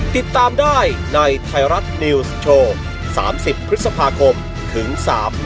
ติดตามได้ในไทยรัฐนิวส์โชว์๓๐พฤษภาคมถึง๓๐